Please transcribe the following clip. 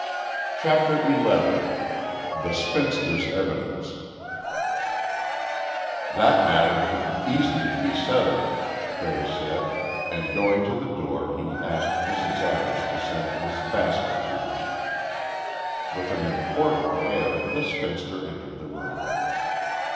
CHAPTER XI THE SPINSTER'S EVIDENCE "That matter can easily be settled," Cray said, and going to the door he asked Mrs. Adams to send Miss Bascom to them. With an important air the spinster entered the room.